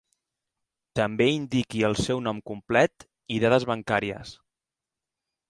També indiqui el seu nom complet i dades bancàries.